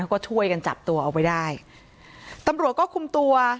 ก็ช่วยกันจับตัวเอาไว้ได้ตำรวจก็คุมตัว